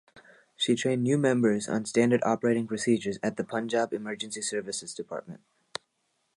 She trained new members on standard operating procedures at the Punjab Emergency services Department.